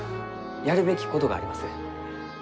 やるべきことがあります。